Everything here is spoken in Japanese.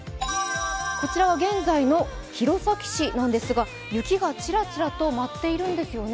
こちらは現在の弘前市なんですが雪がチラチラと舞っているんですよね。